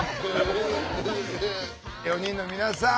４人の皆さん